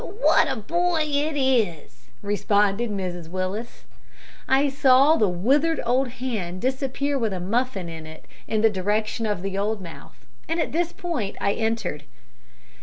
"What a boy it is!" responded Mrs Willis. I saw the withered old hand disappear with a muffin in it in the direction of the old mouth, and at this point I entered.